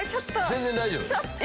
全然大丈夫。